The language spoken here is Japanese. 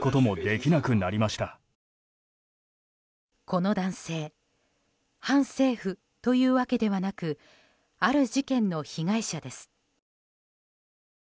この男性反政府というわけではなくある事件の被害者です。